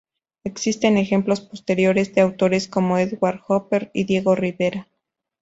Existen ejemplos posteriores, de autores como Edward Hopper y Diego Rivera.